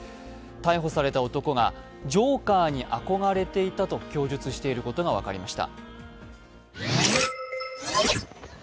逮捕された男が、ジョーカーに憧れていたと供述していることが分かりました。